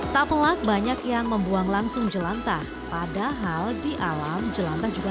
tak pelak banyak yang membuang langsung jelantah padahal di alam jelantah juga